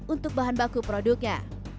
untuk bahan baku produknya